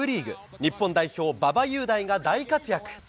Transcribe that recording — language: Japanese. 日本代表、馬場雄大が大活躍。